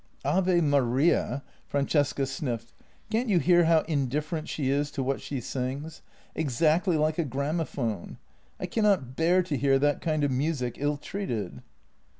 " Ave Maria." Francesca sniffed. " Can't you hear how indifferent she is to what she sings — exactly like a gramophone? I cannot bear to hear that kind of music ill treated."